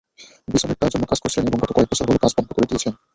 Bissonnette তার জন্য কাজ করেছিলেন এবং গত কয়েক বছর হলো কাজ বন্ধ করে দিয়েছেন।